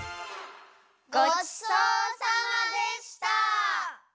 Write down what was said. ごちそうさまでした！